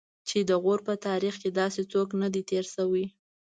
چې د غور په تاریخ کې داسې څوک نه دی تېر شوی.